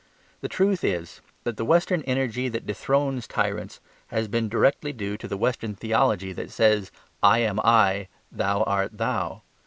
The truth is that the western energy that dethrones tyrants has been directly due to the western theology that says "I am I, thou art thou."